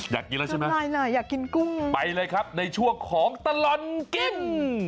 อยากกินแล้วใช่มั้ยไปเลยครับในช่วงของตลอดกิ้ง